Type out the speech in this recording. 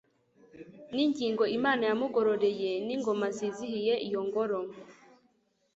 N' ingingo Imana yamugoroyeN' ingoma zizihiye iyo ngoro